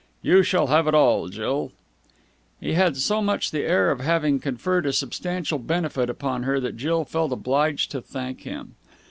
"You shall have it all, Jill." He had so much the air of having conferred a substantial benefit upon her that Jill felt obliged to thank him.